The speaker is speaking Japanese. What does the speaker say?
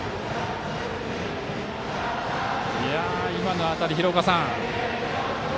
今の当たり、廣岡さん。